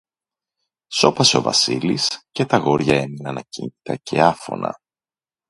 Σώπασε ο Βασίλης, και τ' αγόρια έμειναν ακίνητα και άφωνα